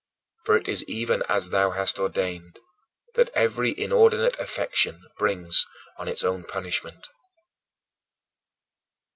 For it is even as thou hast ordained: that every inordinate affection brings on its own punishment.